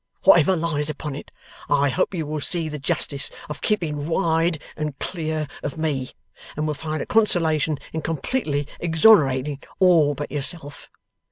Whatever lies upon it, I hope you will see the justice of keeping wide and clear of me, and will find a consolation in completely exonerating all but yourself.